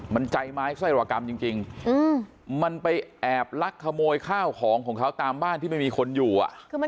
มันใจไม้ไส้รกรรมจริงมันไปแอบลักขโมยข้าวของของเขาตามบ้านที่ไม่มีคนอยู่อ่ะ